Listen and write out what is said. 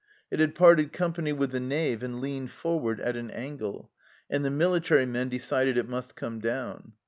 It had parted company with the nave and leaned forward at an angle, and the military men decided it must come down.